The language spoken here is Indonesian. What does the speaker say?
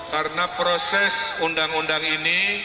karena proses undang undang ini